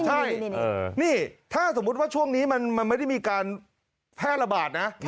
ใช่นี่ถ้าสมมุติว่าช่วงนี้มันไม่ได้มีการแพร่ระบาดนะ